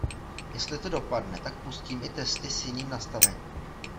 Jestli to dopadne, tak pustím i testy s jiným nastavením.